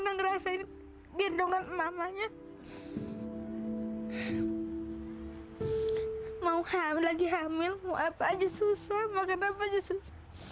udah ngerasain gendongan mamanya mau hamil lagi hamil mau apa aja susah makan apa aja susah